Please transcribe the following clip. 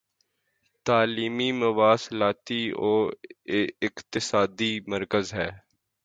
تعلیمی مواصلاتی و اقتصادی مرکز ہے